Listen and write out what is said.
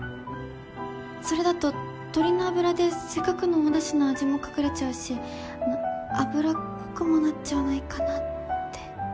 それだと鶏の脂でせっかくのおだしの味も隠れちゃうし脂っこくもなっちゃわないかなって。